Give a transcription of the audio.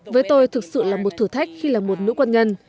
với tôi thực sự là một thử thách khi là một nữ quân nhân